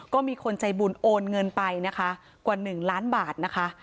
ก็มีคนใจบุญโอนเงินไปนะคะกว่า๑ล้านบาทนะคะ